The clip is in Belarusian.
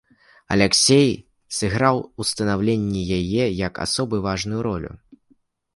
Аляксей сыграў у станаўленні яе як асобы важную ролю.